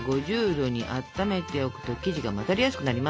℃にあっためておくと生地が混ざりやすくなります。